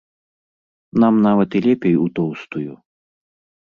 Нам нават і лепей у тоўстую.